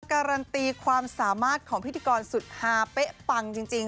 การันตีความสามารถของพิธีกรสุดฮาเป๊ะปังจริง